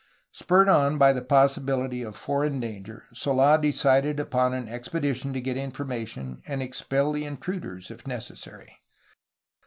Spurred on by the possibility of foreign danger Sold decided upon an expedition to get information and expel the intruders if necessary.